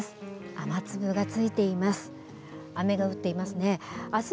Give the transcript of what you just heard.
雨粒がついています。